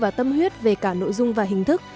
và tâm huyết về cả nội dung và hình thức